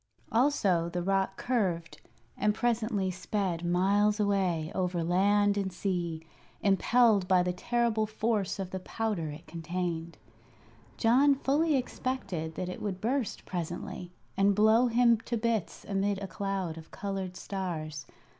Also the rocket curved, and presently sped miles away over land and sea, impelled by the terrible force of the powder it contained. John fully expected that it would burst presently, and blow him to bits amid a cloud of colored stars.